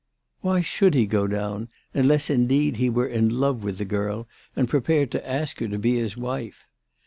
Why should he go down, unless indeed he were in love with the girl and prepared to ask her to be his wife